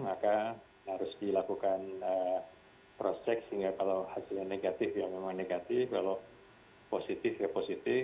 maka harus dilakukan cross check sehingga kalau hasilnya negatif ya memang negatif kalau positif ya positif